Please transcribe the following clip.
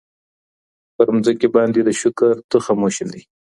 پر مځکي باندي د شکر تخم وشیندئ.